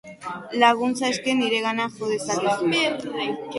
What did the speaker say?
Laguntza eske, niregana jo dezakezu.